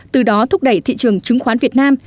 từ đó thúc đẩy thị trường chứng khoán việt nam